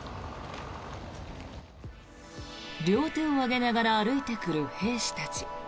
両手を上げながら歩いてくる兵士たち。